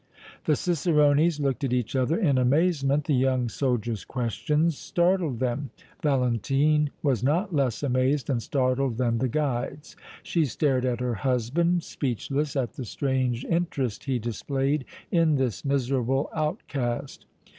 The cicerones looked at each other in amazement; the young soldier's questions startled them. Valentine was not less amazed and startled than the guides; she stared at her husband, speechless at the strange interest he displayed in this miserable outcast.